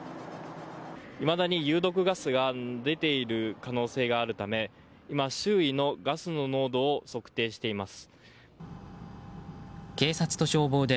いまだに有毒ガスが出ている可能性があるため今、周囲のガスの濃度を測定しています。